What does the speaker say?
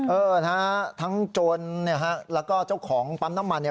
เออนะฮะทั้งจนเนี่ยฮะแล้วก็เจ้าของปั๊มน้ำมันเนี่ย